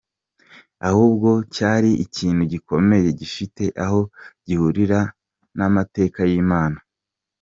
Ahubwo cyari ikintu gikomeye gifite aho gihurira n’amateka y’Imana.